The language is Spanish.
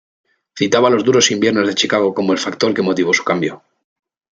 Citaba los duros inviernos de Chicago como el factor que motivó su cambio.